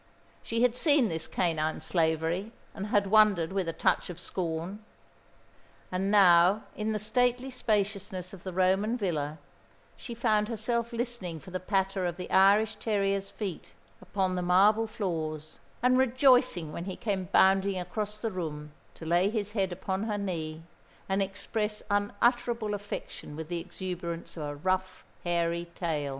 She had seen this canine slavery, and had wondered, with a touch of scorn; and now, in the stately spaciousness of the Roman villa, she found herself listening for the patter of the Irish terrier's feet upon the marble floors, and rejoicing when he came bounding across the room, to lay his head upon her knee and express unutterable affection with the exuberance of a rough, hairy tail.